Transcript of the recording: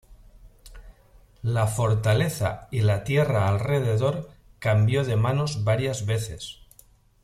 La fortaleza y la tierra alrededor cambió de manos varias veces.